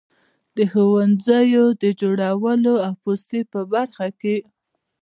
د ښوونځیو د جوړولو او پوستې په برخه کې.